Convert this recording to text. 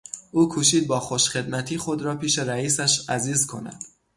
او کوشید با خوش خدمتی خود را پیش رئیسش عزیز کند.